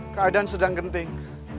keadaan sedang genting